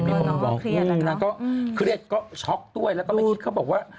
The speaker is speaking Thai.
บอกเครียดนางก็เครียดก็ช็อกด้วยแล้วก็ไม่คิดเขาบอกว่า